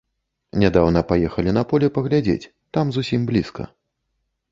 Нядаўна паехалі на поле паглядзець, там зусім блізка.